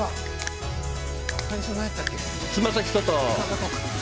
つま先外。